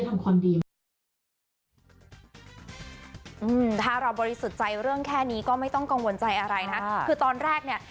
ถ้าเราบริสุทธิ์ใจเรื่องแค่นี้ก็ไม่ต้องกังวลใจอะไรนะคือตอนแรกเนี่ย